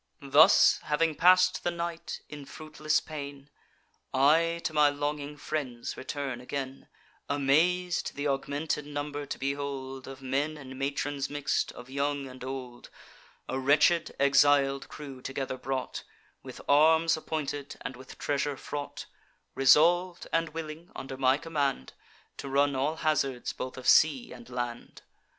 "Thus having pass'd the night in fruitless pain, I to my longing friends return again, Amaz'd th' augmented number to behold, Of men and matrons mix'd, of young and old; A wretched exil'd crew together brought, With arms appointed, and with treasure fraught, Resolv'd, and willing, under my command, To run all hazards both of sea and land.